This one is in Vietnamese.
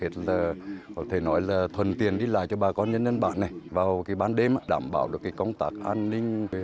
có thể nói là thuần tiền đi lại cho bà con nhân dân bản này vào cái ban đêm đảm bảo được công tác an ninh